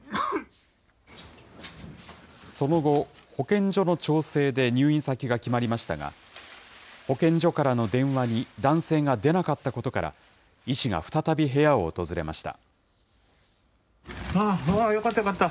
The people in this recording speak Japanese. その後、保健所の調整で入院先が決まりましたが、保健所からの電話に男性が出なかったことから、医師が再び部屋を訪れました。